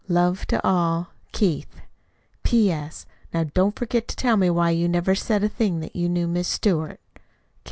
Love to all. KEITH P.S. Now don't forget to tell me why you never said a thing that you knew Miss Stewart.